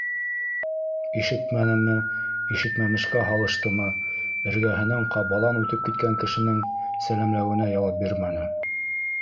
Ишетмәнеме, ишетмәмешкә һалыштымы, эргәһенән ҡабалан үтеп киткән кешенең сәләмләүенә яуап бирмәне.